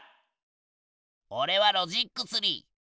おれはロジックツリー。